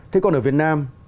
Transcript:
thế còn ở việt nam